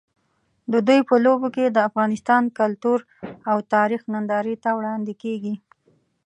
د دوی په لوبو کې د افغانستان کلتور او تاریخ نندارې ته وړاندې کېږي.